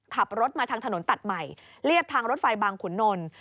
ขับรถมาทางถนนตัดใหม่เรียบทางรถไฟบางขุนนล